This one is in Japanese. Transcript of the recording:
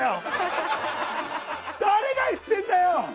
誰が言ってるんだよ！